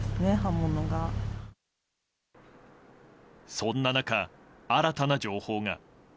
そんな中、新たな情報が。